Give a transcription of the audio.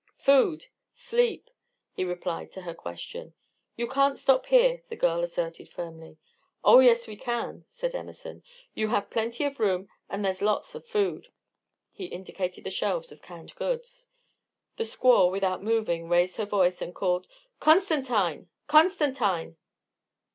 "Food! Sleep!" he replied to her question. "You can't stop here," the girl asserted, firmly. "Oh yes, we can," said Emerson. "You have plenty of room, and there's lots of food" he indicated the shelves of canned goods. The squaw, without moving, raised her voice and called: "Constantine! Constantine!"